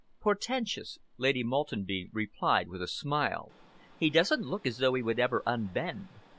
"Portentous," Lady Maltenby replied; with a smile. "He doesn't look as though he would ever unbend.